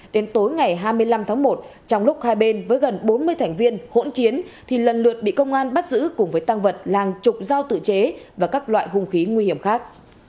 đến tối ngày hai mươi năm tháng một trong lúc hai bên với gần bốn mươi thành viên hỗn chiến thì lần lượt bị công an bắt giữ cùng với tăng vật là hàng chục giao tự chế và các loại hung khí nguy hiểm khác